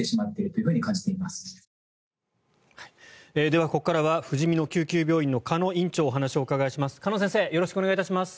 では、ここからはふじみの救急病院院長の鹿野院長にお話をお伺いします。